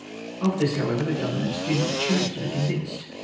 Of this, however, the Government did not choose to be convinced.